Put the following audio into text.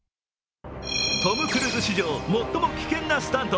トム・クルーズ史上最も危険なスタント。